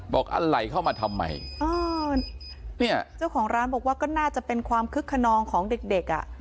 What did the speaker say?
อะไรเข้ามาทำไมเออเนี่ยเจ้าของร้านบอกว่าก็น่าจะเป็นความคึกขนองของเด็กเด็กอ่ะ